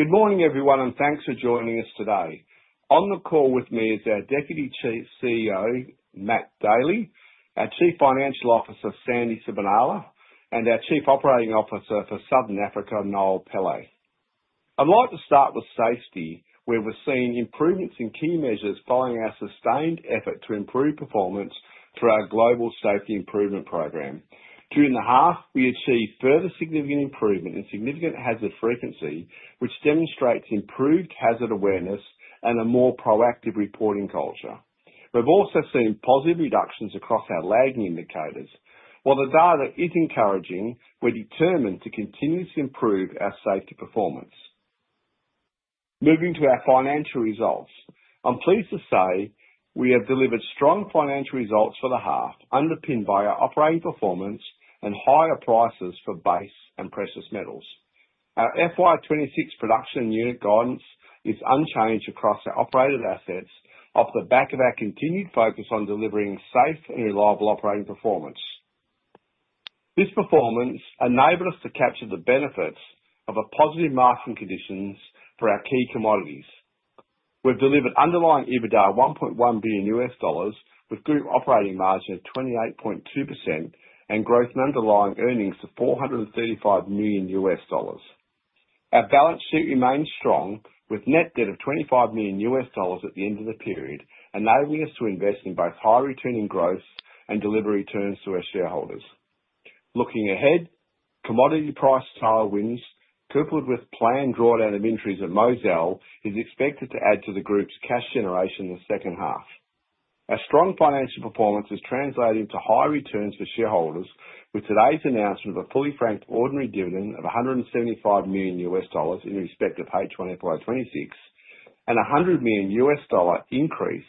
Good morning, everyone, and thanks for joining us today. On the call with me is our Deputy Chief CEO, Matt Daley, our Chief Financial Officer, Sandy Sibenaler, and our Chief Operating Officer for Southern Africa, Noel Pillay. I'd like to start with safety, where we're seeing improvements in key measures following our sustained effort to improve performance through our global safety improvement program. During the half, we achieved further significant improvement in significant hazard frequency, which demonstrates improved hazard awareness and a more proactive reporting culture. We've also seen positive reductions across our lagging indicators. While the data is encouraging, we're determined to continue to improve our safety performance. Moving to our financial results. I'm pleased to say we have delivered strong financial results for the half, underpinned by our operating performance and higher prices for base and precious metals. Our FY 2026 production unit guidance is unchanged across our operated assets, off the back of our continued focus on delivering safe and reliable operating performance. This performance enabled us to capture the benefits of a positive market conditions for our key commodities. We've delivered underlying EBITDA of $1.1 billion, with group operating margin of 28.2% and growth in underlying earnings of $435 million. Our balance sheet remains strong, with net debt of $25 million at the end of the period, enabling us to invest in both high returning growth and deliver returns to our shareholders. Looking ahead, commodity price tailwinds, coupled with planned drawdown of inventories at Mozal, is expected to add to the group's cash generation in the second half. Our strong financial performance is translating to higher returns for shareholders, with today's announcement of a fully franked ordinary dividend of $175 million in respect of H2 FY 2026, and a $100 million increase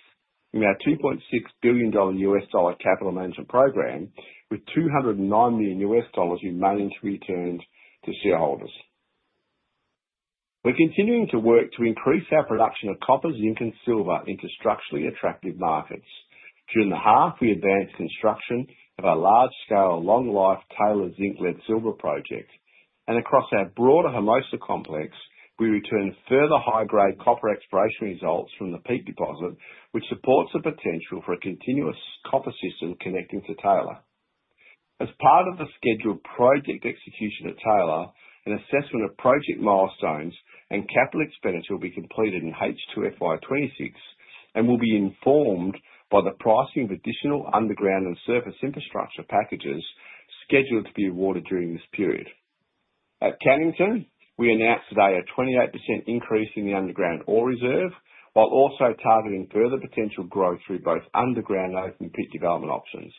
in our $2.6 billion capital management program, with $209 million in managed returns to shareholders. We're continuing to work to increase our production of copper, zinc, and silver into structurally attractive markets. During the half, we advanced construction of our large-scale, long-life Taylor zinc-lead-silver project, and across our broader Hermosa complex, we returned further high-grade copper exploration results from the Peak deposit, which supports the potential for a continuous copper system connecting to Taylor. As part of the scheduled project execution at Taylor, an assessment of project milestones and capital expenditure will be completed in H2 FY 2026 and will be informed by the pricing of additional underground and surface infrastructure packages scheduled to be awarded during this period. At Cannington, we announced today a 28% increase in the underground ore reserve, while also targeting further potential growth through both underground and open pit development options.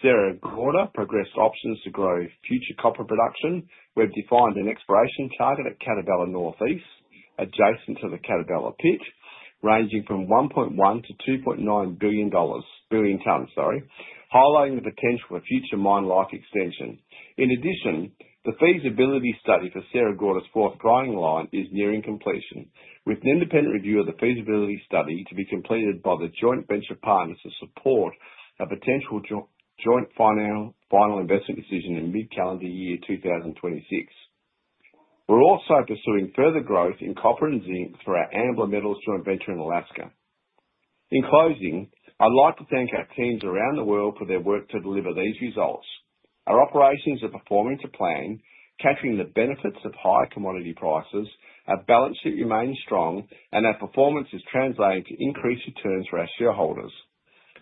Sierra Gorda progressed options to grow future copper production. We've defined an exploration target at Catabela Northeast, adjacent to the Catabela pit, ranging from 1.1 to 2.9 billion dollars—billion tons, sorry, highlighting the potential for future mine-life extension. In addition, the feasibility study for Sierra Gorda's fourth grinding line is nearing completion, with an independent review of the feasibility study to be completed by the joint venture partners to support a potential joint final investment decision in mid-calendar year 2026. We're also pursuing further growth in copper and zinc through our Ambler Metals joint venture in Alaska. In closing, I'd like to thank our teams around the world for their work to deliver these results. Our operations are performing to plan, capturing the benefits of higher commodity prices. Our balance sheet remains strong, and our performance is translating to increased returns for our shareholders.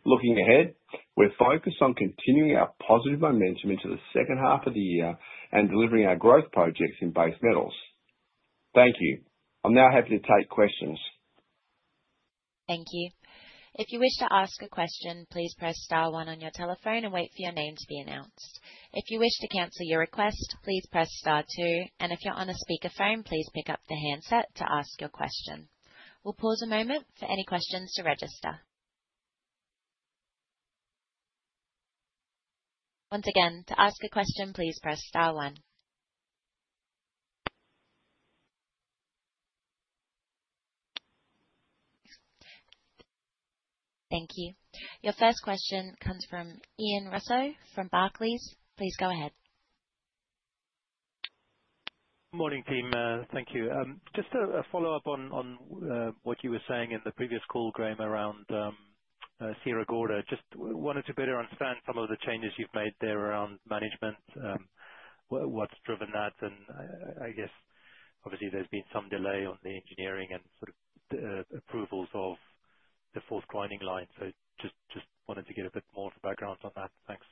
Looking ahead, we're focused on continuing our positive momentum into the second half of the year and delivering our growth projects in base metals. Thank you. I'm now happy to take questions. Thank you. If you wish to ask a question, please press star one on your telephone and wait for your name to be announced. If you wish to cancel your request, please press star two, and if you're on a speakerphone, please pick up the handset to ask your question. We'll pause a moment for any questions to register. Once again, to ask a question, please press star one. Thank you. Your first question comes from Ian Rossouw from Barclays. Please go ahead. Morning, team. Thank you. Just a follow-up on what you were saying in the previous call, Graham, around Sierra Gorda. Just wanted to better understand some of the changes you've made there around management, what's driven that, and I guess, obviously there's been some delay on the engineering and sort of the approvals of the Fourth Grinding Line. So just wanted to get a bit more of the background on that. Thanks.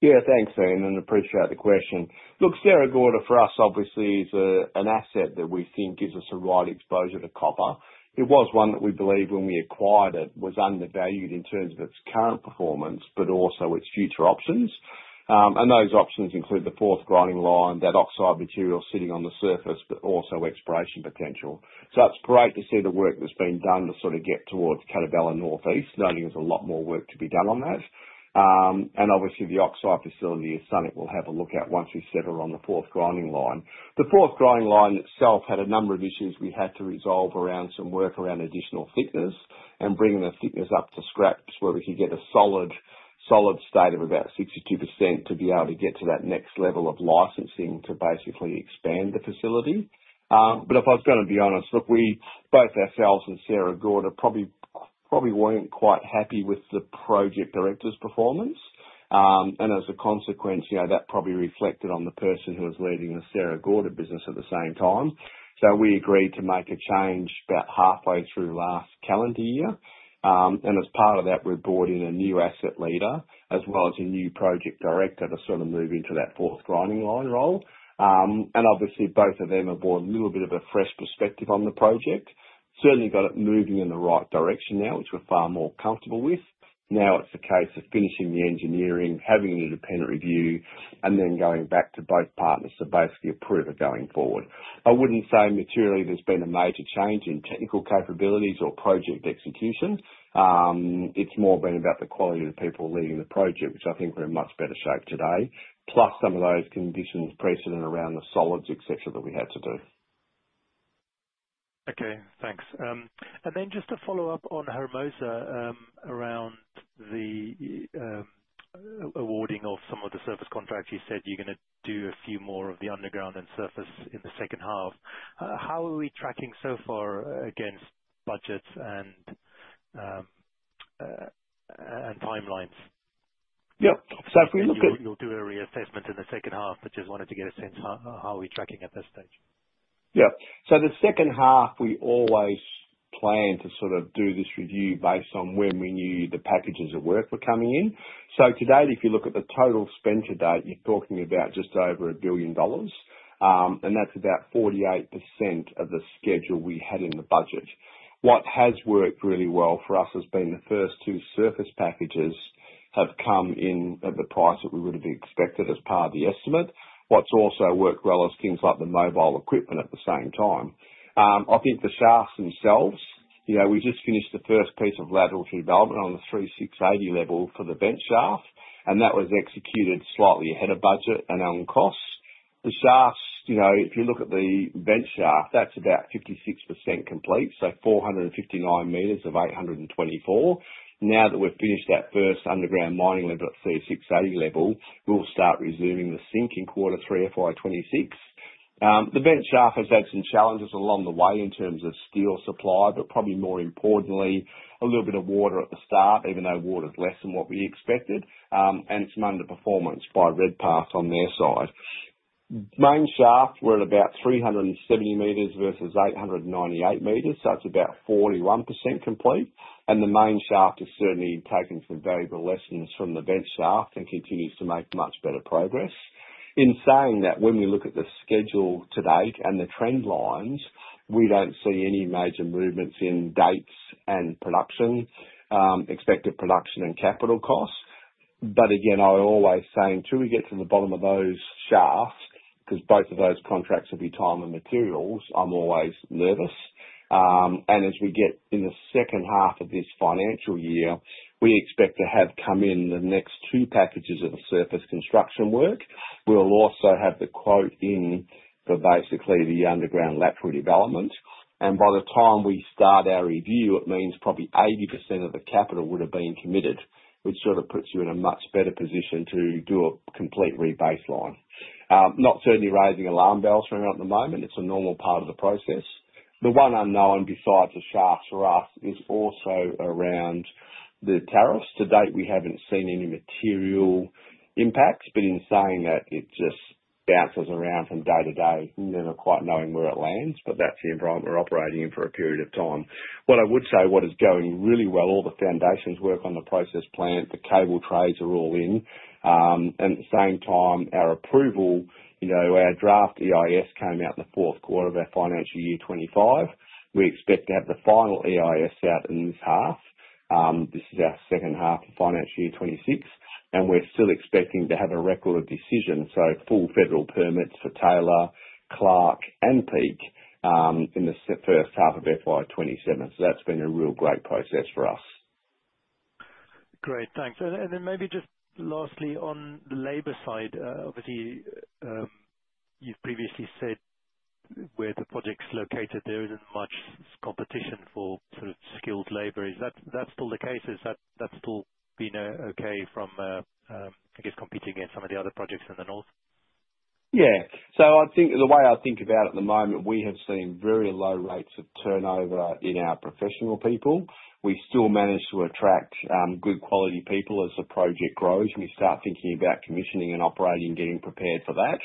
Yeah, thanks, Ian, and appreciate the question. Look, Sierra Gorda, for us, obviously, is an asset that we think gives us the right exposure to copper. It was one that we believed when we acquired it, was undervalued in terms of its current performance, but also its future options. And those options include the Fourth Grinding Line, that oxide material sitting on the surface, but also exploration potential. So it's great to see the work that's been done to sort of get towards Catabela Northeast, knowing there's a lot more work to be done on that. And obviously, the oxide facility at Spence, we'll have a look at once we settle on the Fourth Grinding Line. The Fourth Grinding Line itself had a number of issues we had to resolve around some work around additional thickness, and bringing the thickness up to scraps, where we could get a solid state of about 62% to be able to get to that next level of licensing to basically expand the facility. But if I was going to be honest, look, we, both ourselves and Sierra Gorda probably weren't quite happy with the project director's performance. And as a consequence, you know, that probably reflected on the person who was leading the Sierra Gorda business at the same time. So we agreed to make a change about halfway through last calendar year. And as part of that, we brought in a new asset leader, as well as a new project director to sort of move into that Fourth Grinding Line role. And obviously both of them have brought a little bit of a fresh perspective on the project. Certainly got it moving in the right direction now, which we're far more comfortable with. Now it's a case of finishing the engineering, having an independent review, and then going back to both partners to basically approve it going forward. I wouldn't say materially there's been a major change in technical capabilities or project execution. It's more been about the quality of the people leading the project, which I think we're in much better shape today, plus some of those conditions precedent around the solids, et cetera, that we had to do. Okay, thanks. And then just to follow up on Hermosa, around the awarding of some of the surface contracts. You said you're gonna do a few more of the underground and surface in the second half. How are we tracking so far against budgets and timelines? Yep. So if we look at- You'll do a reassessment in the second half, but just wanted to get a sense, how are we tracking at this stage? Yeah. So the second half, we always plan to sort of do this review based on when we knew the packages of work were coming in. So to date, if you look at the total spend to date, you're talking about just over $1 billion, and that's about 48% of the schedule we had in the budget. What has worked really well for us has been the first two surface packages have come in at the price that we would have expected as part of the estimate. What's also worked well is things like the mobile equipment at the same time. I think the shafts themselves, you know, we just finished the first piece of lateral development on the 3,680 level for the bench shaft, and that was executed slightly ahead of budget and on costs. The shafts, you know, if you look at the bench shaft, that's about 56% complete, so 459 meters of 824. Now that we've finished that first underground mining level at 3,680 level, we'll start resuming the sink in Q3 of FY 2026. The bench shaft has had some challenges along the way in terms of steel supply, but probably more importantly, a little bit of water at the start, even though water's less than what we expected, and some underperformance by Redpath on their side. Main shaft, we're at about 370 meters versus 898 meters, so that's about 41% complete. And the main shaft has certainly taken some valuable lessons from the bench shaft and continues to make much better progress. In saying that, when we look at the schedule to date and the trend lines, we don't see any major movements in dates and production, expected production and capital costs. But again, I always say, until we get to the bottom of those shafts, because both of those contracts will be time and materials, I'm always nervous. And as we get in the second half of this financial year, we expect to have come in the next two packages of the surface construction work. We'll also have the quote in for basically the underground lateral development, and by the time we start our review, it means probably 80% of the capital would have been committed, which sort of puts you in a much better position to do a complete rebaseline. Not certainly raising alarm bells for me at the moment. It's a normal part of the process. The one unknown besides the shafts for us is also around the tariffs. To date, we haven't seen any material impacts, but in saying that, it just bounces around from day to day, never quite knowing where it lands, but that's the environment we're operating in for a period of time. What I would say, what is going really well, all the foundations work on the process plant, the cable trays are all in. At the same time, our approval, you know, our draft EIS came out in the fourth quarter of our financial year 2025. We expect to have the final EIS out in this half. This is our second half of financial year 2026, and we're still expecting to have a Record of Decision, so full federal permits for Taylor, Clark, and Peak, in the first half of FY 2027. So that's been a real great process for us. Great. Thanks. And, and then maybe just lastly, on the labor side, obviously, you've previously said where the project's located, there isn't much competition for sort of skilled labor. Is that, that still the case? Is that, that's still been okay from, I guess, competing against some of the other projects in the north? Yeah. So I think the way I think about it at the moment, we have seen very low rates of turnover in our professional people. We still manage to attract good quality people as the project grows, and we start thinking about commissioning and operating, getting prepared for that.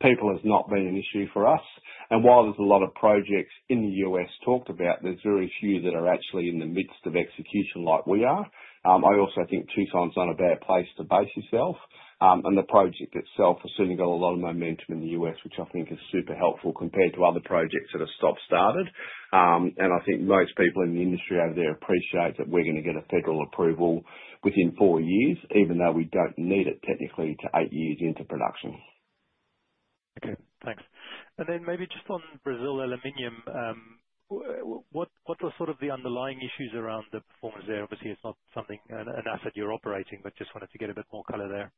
People has not been an issue for us. And while there's a lot of projects in the U.S. talked about, there's very few that are actually in the midst of execution like we are. I also think Tucson's not a bad place to base yourself. And the project itself has certainly got a lot of momentum in the U.S., which I think is super helpful compared to other projects that have stop-started. And I think most people in the industry out there appreciate that we're gonna get a federal approval within four years, even though we don't need it technically to eight years into production. Okay, thanks. And then maybe just on Brazil Aluminium, what, what are sort of the underlying issues around the performance there? Obviously, it's not something, an asset you're operating, but just wanted to get a bit more color there.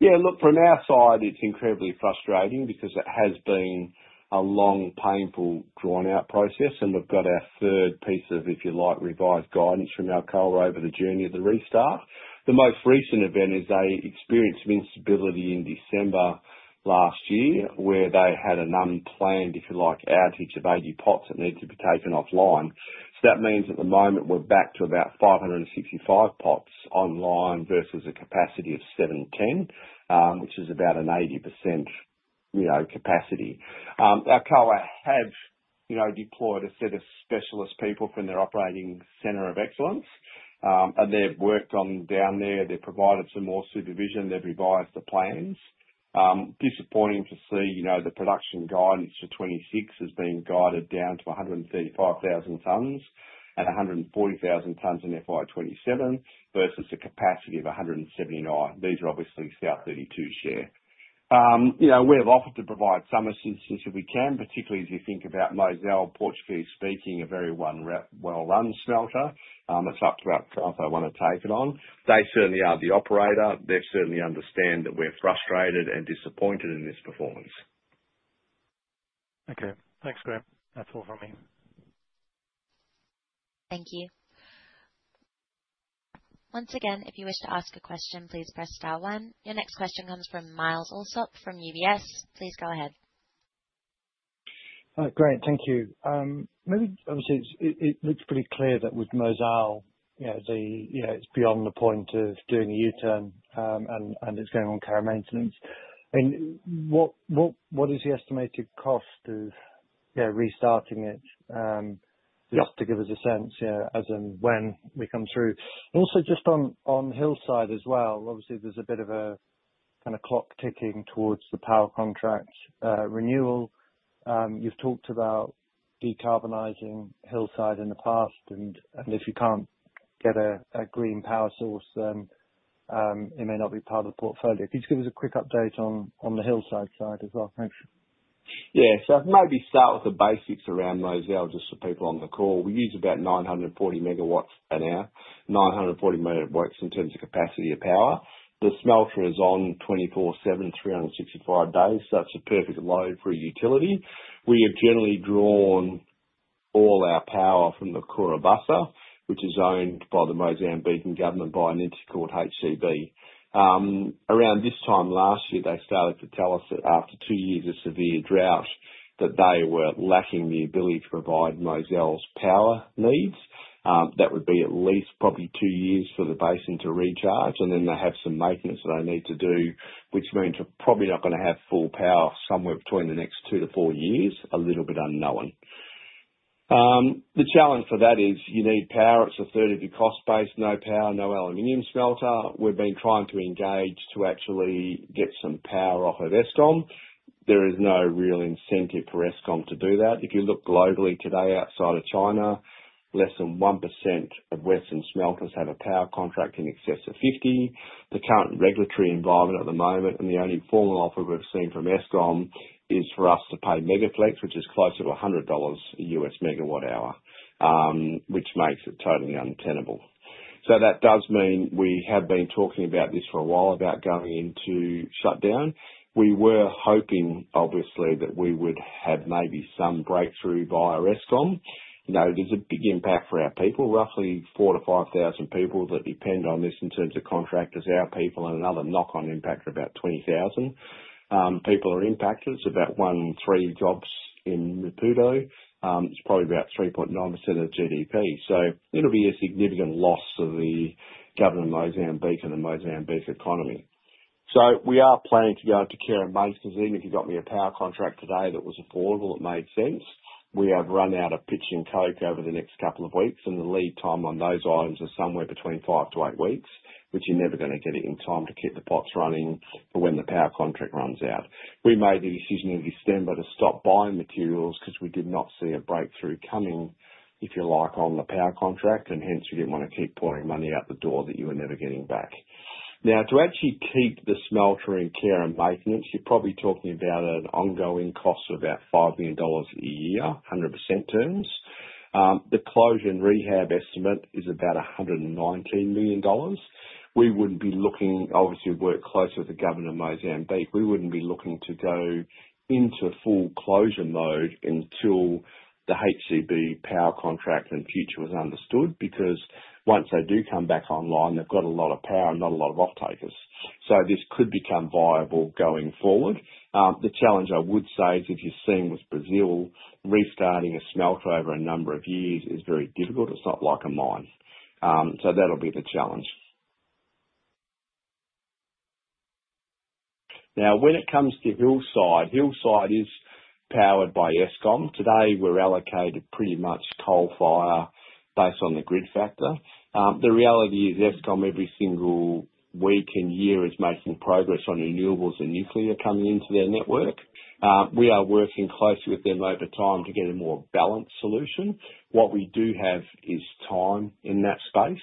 Yeah, look, from our side, it's incredibly frustrating because it has been a long, painful, drawn out process, and we've got our third piece of, if you like, revised guidance from Alcoa over the journey of the restart. The most recent event is they experienced some instability in December last year, where they had an unplanned, if you like, outage of 80 pots that needed to be taken offline. So that means at the moment we're back to about 565 pots online versus a capacity of 710, which is about an 80%, you know, capacity. Alcoa have, you know, deployed a set of specialist people from their operating center of excellence. And they've worked on down there. They've provided some more supervision. They've revised the plans. Disappointing to see, you know, the production guidance for 2026 has been guided down to 135,000 tons, and 140,000 tons in FY 2027, versus a capacity of 179,000 tons. These are obviously South32 share. You know, we have offered to provide some assistance if we can, particularly as you think about Mozal, Portuguese-speaking, a very well-run smelter. It's up to them if they want to take it on. They certainly are the operator. They certainly understand that we're frustrated and disappointed in this performance. Okay. Thanks, Graham. That's all from me. Thank you. Once again, if you wish to ask a question, please press star one. Your next question comes from Myles Allsop from UBS. Please go ahead. Graham, thank you. Maybe, obviously, it looks pretty clear that with Mozal, you know, the, you know, it's beyond the point of doing a U-turn, and it's going on care and maintenance. I mean, what is the estimated cost of, you know, restarting it? Yeah. Just to give us a sense, yeah, as and when we come through. Also, just on Hillside as well, obviously there's a bit of a kind of clock ticking towards the power contract renewal. You've talked about decarbonizing Hillside in the past, and if you can't get a green power source, then it may not be part of the portfolio. Could you give us a quick update on the Hillside side as well? Thanks. Yeah. So I'll maybe start with the basics around Mozal, just for people on the call. We use about 940 MW an hour, 940 MW in terms of capacity of power. The smelter is on 24/7, 365 days, so it's a perfect load for a utility. We have generally drawn all our power from the Cahora Bassa, which is owned by the Mozambican government, by an entity called HCB. Around this time last year, they started to tell us that after two years of severe drought, that they were lacking the ability to provide Mozal's power needs. That would be at least probably two years for the basin to recharge, and then they have some maintenance that they need to do, which means they're probably not gonna have full power somewhere between the next two to four years, a little bit unknown. The challenge for that is you need power. It's 1/3 of your cost base, no power, no aluminum smelter. We've been trying to engage to actually get some power off of Eskom. There is no real incentive for Eskom to do that. If you look globally today, outside of China, less than 1% of Western smelters have a power contract in excess of 50. The current regulatory environment at the moment, and the only formal offer we've seen from Eskom, is for us to pay Megaflex, which is closer to $100 a US megawatt hour, which makes it totally untenable. So that does mean we have been talking about this for a while, about going into shutdown. We were hoping, obviously, that we would have maybe some breakthrough via Eskom. You know, there's a big impact for our people, roughly 4,000-5,000 people that depend on this in terms of contractors, our people, and another knock-on impact are about 20,000 people are impacted. It's about one in three jobs in Maputo. It's probably about 3.9% of GDP. So it'll be a significant loss to the government of Mozambique and the Mozambique economy. So we are planning to go into care and maintenance. Even if you got me a power contract today that was affordable, it made sense, we have run out of pitch and coke over the next couple of weeks, and the lead time on those items are somewhere between five to eight weeks, which you're never gonna get it in time to keep the pots running for when the power contract runs out. We made the decision in December to stop buying materials, because we did not see a breakthrough coming, if you like, on the power contract, and hence we didn't want to keep pouring money out the door that you were never getting back. Now, to actually keep the smelter in care and maintenance, you're probably talking about an ongoing cost of about $5 million a year, 100% terms. The closure and rehab estimate is about $119 million. We wouldn't be looking, obviously, we work closely with the government of Mozambique, we wouldn't be looking to go into full closure mode until the HCB power contract and future was understood. Because once they do come back online, they've got a lot of power, not a lot of off-takers, so this could become viable going forward. The challenge, I would say, is, as you've seen with Brazil, restarting a smelter over a number of years is very difficult. It's not like a mine. So that'll be the challenge. Now, when it comes to Hillside, Hillside is powered by Eskom. Today, we're allocated pretty much coal-fired based on the grid factor. The reality is, Eskom, every single week and year, is making progress on renewables and nuclear coming into their network. We are working closely with them over time to get a more balanced solution. What we do have is time in that space.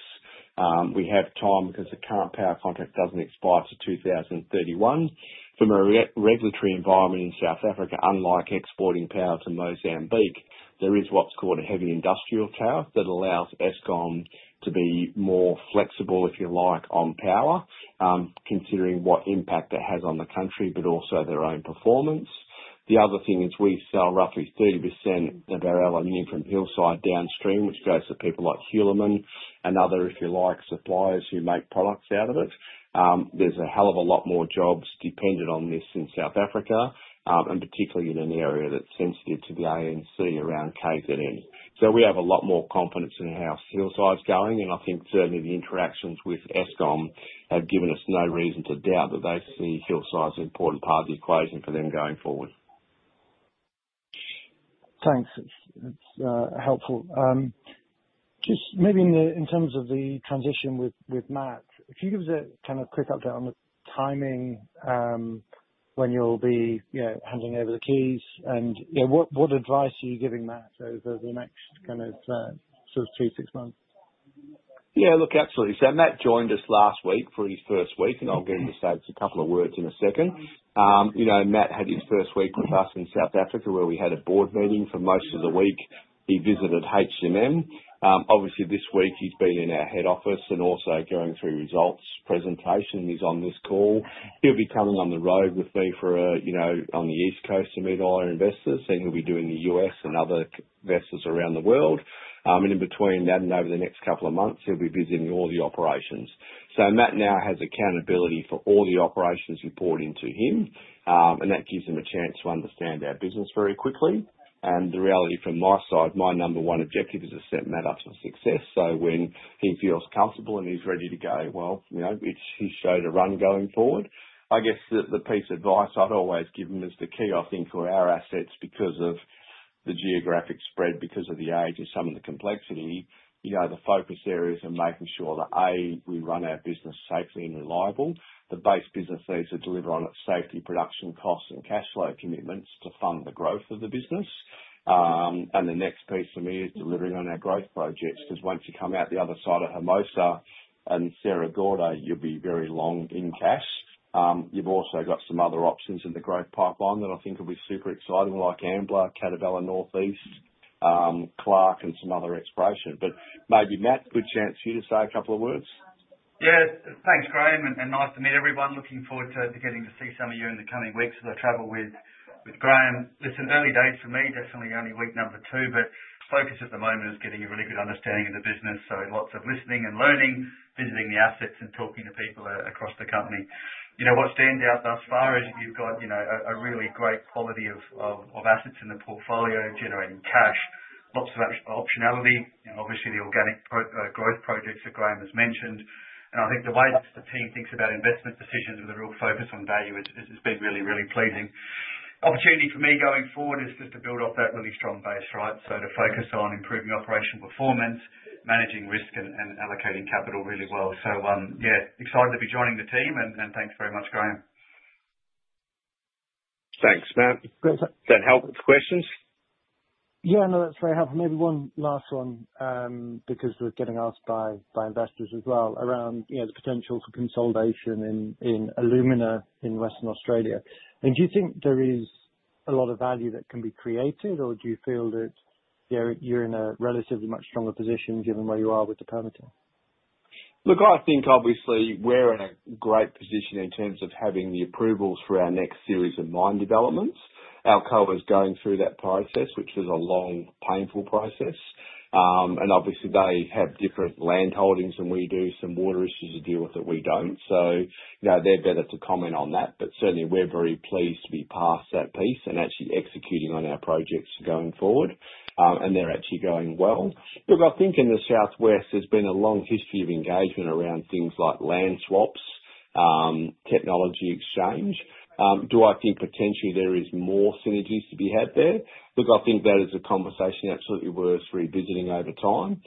We have time because the current power contract doesn't expire till 2031. From a regulatory environment in South Africa, unlike exporting power to Mozambique, there is what's called a heavy industrial tariff that allows Eskom to be more flexible, if you like, on power, considering what impact it has on the country, but also their own performance. The other thing is we sell roughly 30% of our alumina from Hillside downstream, which goes to people like Hulamin and other, if you like, suppliers who make products out of it. There's a hell of a lot more jobs dependent on this in South Africa, and particularly in an area that's sensitive to the ANC around KZN. So we have a lot more confidence in how Hillside's going, and I think certainly the interactions with Eskom have given us no reason to doubt that they see Hillside as an important part of the equation for them going forward. Thanks. It's helpful. Just maybe in terms of the transition with Matt, could you give us a kind of quick update on the timing, when you'll be, you know, handing over the keys? And, you know, what advice are you giving Matt over the next kind of, sort of, two to six months? Yeah, look, absolutely. So Matt joined us last week for his first week, and I'll get him to say a couple of words in a second. You know, Matt had his first week with us in South Africa, where we had a board meeting for most of the week. He visited HMM. Obviously this week, he's been in our head office, and also going through results presentation. He's on this call. He'll be coming on the road with me for, you know, on the East Coast, to meet all our investors. Then he'll be doing the US and other investors around the world. And in between that, and over the next couple of months, he'll be visiting all the operations. So Matt now has accountability for all the operations, reporting to him. And that gives him a chance to understand our business very quickly. The reality from my side, my number one objective is to set Matt up for success, so when he feels comfortable, and he's ready to go, well, you know, it's his to run going forward. I guess the piece of advice I'd always give him is the key, I think, for our assets, because of the geographic spread, because of the age and some of the complexity, you know, the focus areas are making sure that, A, we run our business safely and reliably. The base business needs to deliver on its safety, production costs, and cash flow commitments to fund the growth of the business. And the next piece for me is delivering on our growth projects. 'Cause once you come out the other side of Hermosa and Sierra Gorda, you'll be very long in cash. You've also got some other options in the growth pipeline that I think will be super exciting, like Ambler, Catabela Northeast, Clark, and some other exploration. But maybe, Matt, good chance for you to say a couple of words? Yeah. Thanks, Graham, and nice to meet everyone. Looking forward to beginning to see some of you in the coming weeks as I travel with Graham. It's in early days for me, definitely only week number two, but focus at the moment is getting a really good understanding of the business, so lots of listening and learning, visiting the assets, and talking to people across the company. You know, what stands out thus far is you've got, you know, a really great quality of assets in the portfolio and generating cash. Lots of optionality, and obviously the organic growth projects that Graham has mentioned. And I think the way the team thinks about investment decisions with a real focus on value, it has been really, really pleasing. Opportunity for me going forward is just to build off that really strong base, right? So to focus on improving operational performance, managing risk, and allocating capital really well. So, yeah, excited to be joining the team, and thanks very much, Graham. Thanks, Matt. Great, sir. Does that help with the questions? Yeah, no, that's very helpful. Maybe one last one, because we're getting asked by, by investors as well, around, you know, the potential for consolidation in, in alumina in Western Australia. Do you think there is a lot of value that can be created, or do you feel that, you know, you're in a relatively much stronger position given where you are with the permitting? Look, I think obviously we're in a great position in terms of having the approvals for our next series of mine developments. Alcoa is going through that process, which is a long, painful process. And obviously they have different land holdings than we do, some water issues to deal with that we don't. So, you know, they're better to comment on that, but certainly we're very pleased to be past that piece, and actually executing on our projects going forward. And they're actually going well. Look, I think in the Southwest, there's been a long history of engagement around things like land swaps, technology exchange. Do I think potentially there is more synergies to be had there? Look, I think that is a conversation absolutely worth revisiting over time.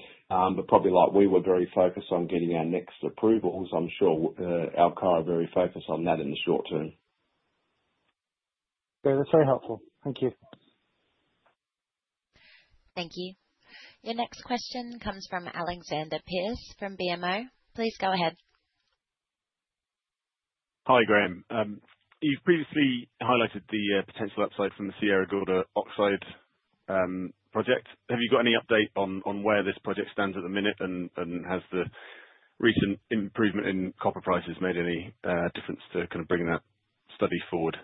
Probably, like, we were very focused on getting our next approvals. I'm sure Alcoa are very focused on that in the short term. Great. That's very helpful. Thank you. Thank you. Your next question comes from Alexander Pearce, from BMO. Please go ahead. Hi, Graham. You've previously highlighted the potential upside from the Sierra Gorda oxide project. Have you got any update on where this project stands at the minute? And has the recent improvement in copper prices made any difference to kind of bringing that study forward?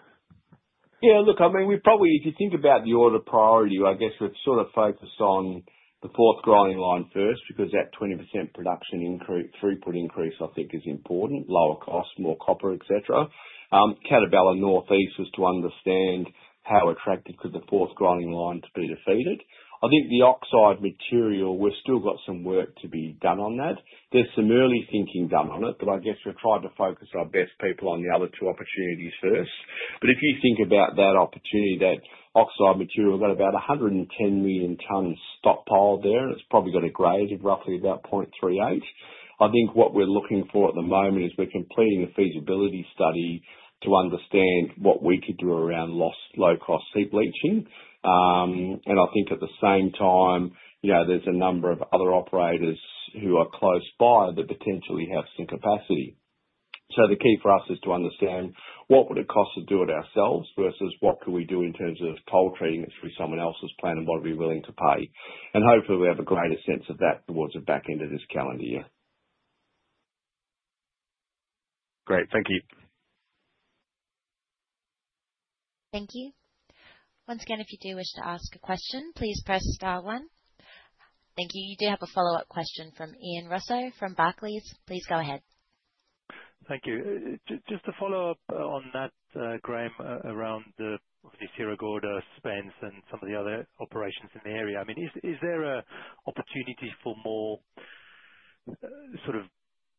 Yeah, look, I mean, we've probably—if you think about the order priority, I guess we're sort of focused on the Fourth Grinding Line first, because that 20% production increase, throughput increase, I think is important. Lower cost, more copper, et cetera. Catabela Northeast was to understand how attractive could the Fourth Grinding Line to be defeated. I think the oxide material, we've still got some work to be done on that. There's some early thinking done on it, but I guess we've tried to focus our best people on the other two opportunities first. But if you think about that opportunity, that oxide material, we've got about 110 million tons stockpiled there. It's probably got a grade of roughly about 0.38. I think what we're looking for at the moment is, we're completing a feasibility study to understand what we could do around low-cost heap leaching. And I think at the same time, you know, there's a number of other operators who are close by, that potentially have some capacity. So the key for us is to understand what would it cost to do it ourselves, versus what could we do in terms of toll treating it through someone else's plant, and what are we willing to pay? And hopefully, we have a greater sense of that towards the back end of this calendar year. Great. Thank you. Thank you. Once again, if you do wish to ask a question, please press star one. Thank you. You do have a follow-up question from Ian Rossouw from Barclays. Please go ahead. Thank you. Just to follow up on that, Graham, around the Sierra Gorda spends and some of the other operations in the area. I mean, is there a opportunity for more, sort of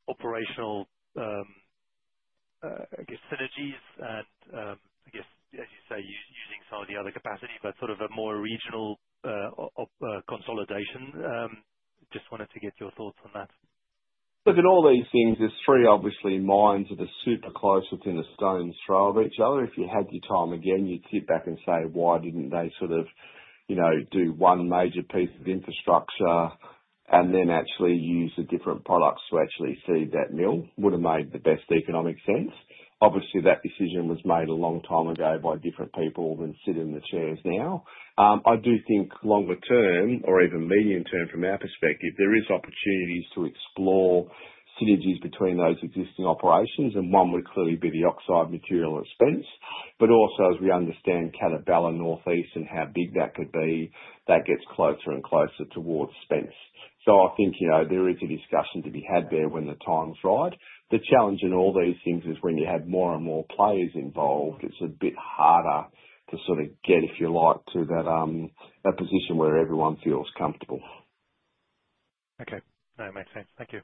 operational, I guess, synergies and, I guess, as you say, using some of the other capacity, but sort of a more regional, consolidation? Just wanted to get your thoughts on that. Look, in all these things, there's three, obviously, mines that are super close within a stone's throw of each other. If you had your time again, you'd sit back and say, "Why didn't they sort of, you know, do one major piece of infrastructure, and then actually use the different products to actually feed that mill?" Would've made the best economic sense. Obviously, that decision was made a long time ago by different people than sit in the chairs now. I do think longer term, or even medium term from our perspective, there is opportunities to explore synergies between those existing operations, and one would clearly be the oxide material at Spence. But also, as we understand Catabela Northeast and how big that could be, that gets closer and closer towards Spence. So I think, you know, there is a discussion to be had there when the time's right. The challenge in all these things is when you have more and more players involved, it's a bit harder to sort of get, if you like, to that position where everyone feels comfortable. Okay. No, it makes sense. Thank you.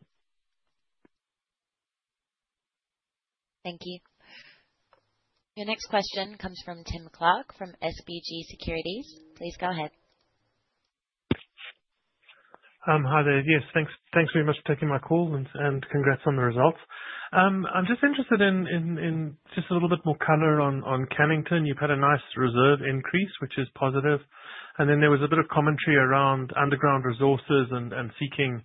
Thank you. Your next question comes from Tim Clark, from SBG Securities. Please go ahead. Hi there. Yes, thanks, thanks very much for taking my call, and congrats on the results. I'm just interested in just a little bit more color on Cannington. You've had a nice reserve increase, which is positive, and then there was a bit of commentary around underground resources and seeking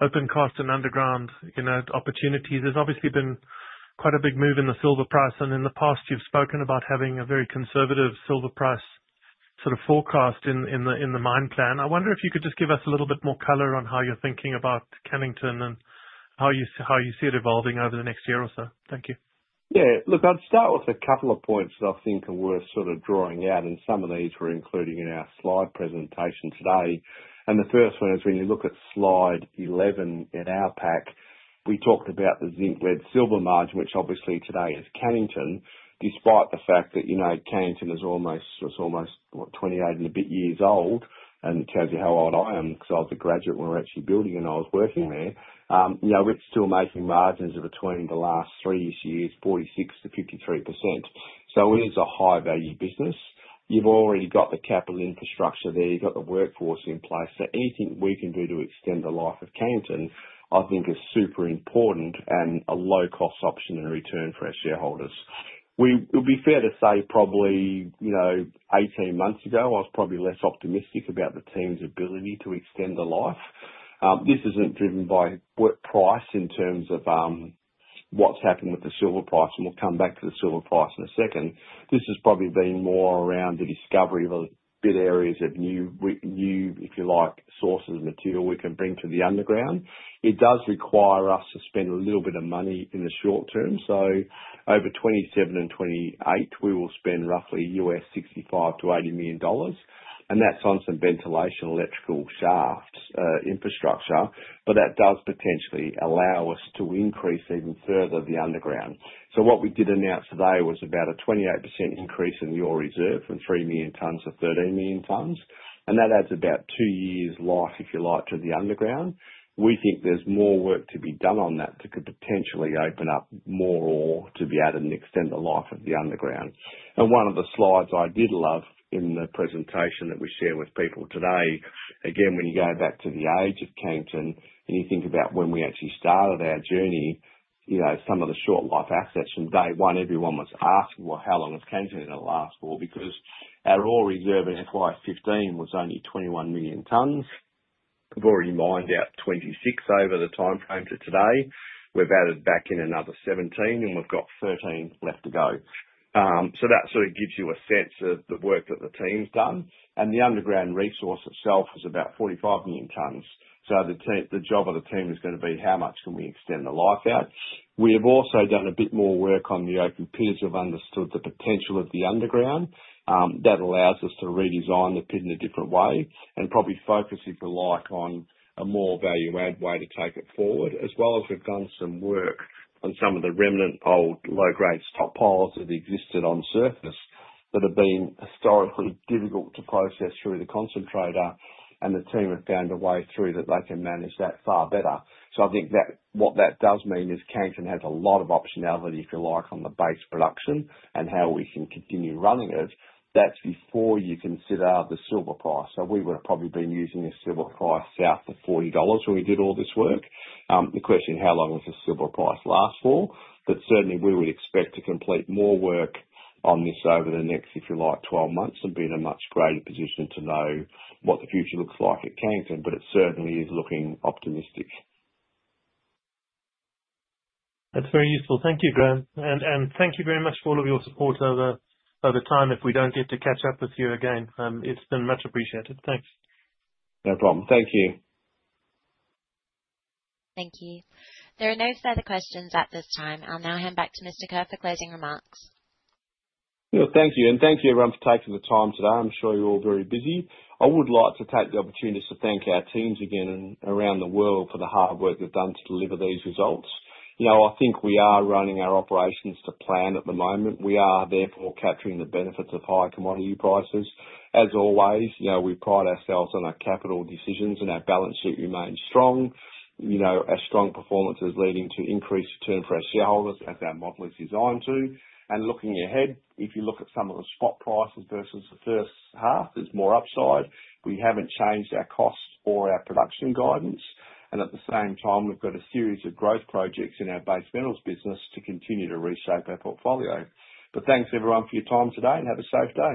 open cost and underground, you know, opportunities. There's obviously been quite a big move in the silver price, and in the past you've spoken about having a very conservative silver price, sort of forecast in the mine plan. I wonder if you could just give us a little bit more color on how you're thinking about Cannington, and how you see it evolving over the next year or so. Thank you. Yeah. Look, I'd start with a couple of points that I think are worth sort of drawing out, and some of these were included in our slide presentation today. The first one is, when you look at slide 11 in our pack, we talked about the zinc, lead, silver margin, which obviously today is Cannington, despite the fact that, you know, Cannington is almost, it's almost, what? 28 and a bit year old. And it tells you how old I am, because I was a graduate when we were actually building, and I was working there. You know, we're still making margins of between the last three-ish years, 46%-53%. So it is a high value business. You've already got the capital infrastructure there, you've got the workforce in place, so anything we can do to extend the life of Cannington, I think is super important, and a low cost option and return for our shareholders. It would be fair to say probably, you know, 18 months ago, I was probably less optimistic about the team's ability to extend the life. This isn't driven by what price, in terms of, what's happened with the silver price, and we'll come back to the silver price in a second. This has probably been more around the discovery of good areas of new, new, if you like, sources of material we can bring to the underground. It does require us to spend a little bit of money in the short term, so over 2027 and 2028, we will spend roughly $65 million-$80 million, and that's on some ventilation, electrical shafts, infrastructure, but that does potentially allow us to increase even further the underground. So what we did announce today was about a 28% increase in the ore reserve, from 3,000,000 tons to 13,000,000 tons, and that adds about two years' life, if you like, to the underground. We think there's more work to be done on that, that could potentially open up more ore to be added and extend the life of the underground. One of the slides I did love in the presentation that we shared with people today, again, when you go back to the age of Cannington, and you think about when we actually started our journey, you know, some of the short-life assets, from day one, everyone was asking, "Well, how long is Cannington gonna last for?" Because our ore reserve in FY 2015 was only 21 million tons. We've already mined out 26 over the timeframe to today. We've added back in another 17, and we've got 13 left to go. So that sort of gives you a sense of the work that the team's done. And the underground resource itself is about 45 million tons, so the team The job of the team is gonna be: How much can we extend the life out? We have also done a bit more work on the open pits. We've understood the potential of the underground. That allows us to redesign the pit in a different way, and probably focus, if you like, on a more value-add way to take it forward, as well as we've done some work on some of the remnant old low-grade stock piles that existed on surface, that have been historically difficult to process through the concentrator, and the team have found a way through that they can manage that far better. So I think that what that does mean is Cannington has a lot of optionality, if you like, on the base production, and how we can continue running it. That's before you consider the silver price. So we would've probably been using a silver price south of $40 when we did all this work. The question, how long will the silver price last for? But certainly, we would expect to complete more work on this over the next, if you like, 12 months, and be in a much greater position to know what the future looks like at Cannington, but it certainly is looking optimistic. That's very useful. Thank you, Graham. And thank you very much for all of your support over the time. If we don't get to catch up with you again, it's been much appreciated. Thanks. No problem. Thank you. Thank you. There are no further questions at this time. I'll now hand back to Mr. Kerr for closing remarks. Well, thank you, and thank you everyone for taking the time today. I'm sure you're all very busy. I would like to take the opportunity to thank our teams again, around the world, for the hard work they've done to deliver these results. You know, I think we are running our operations to plan at the moment. We are therefore capturing the benefits of higher commodity prices. As always, you know, we pride ourselves on our capital decisions, and our balance sheet remains strong. You know, our strong performance is leading to increased return for our shareholders, as our model is designed to. Looking ahead, if you look at some of the spot prices versus the first half, there's more upside. We haven't changed our costs or our production guidance, and at the same time, we've got a series of growth projects in our base metals business to continue to reshape our portfolio. But thanks, everyone, for your time today, and have a safe day.